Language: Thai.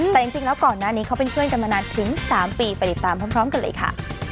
แต่จริงแล้วก่อนหน้านี้เขาเป็นเพื่อนกันมานานถึง๓ปีไปติดตามพร้อมกันเลยค่ะ